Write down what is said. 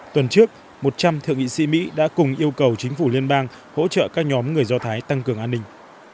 tuần trước một trăm linh thượng nghị sĩ mỹ đã cùng yêu cầu chính phủ liên bang hỗ trợ các nhóm người do thái tăng cường an ninh